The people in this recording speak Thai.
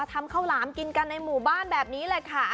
ทำข้าวหลามกินกันในหมู่บ้านแบบนี้แหละค่ะ